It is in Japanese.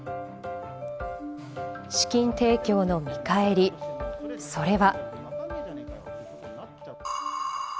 資金提供の見返りそれは。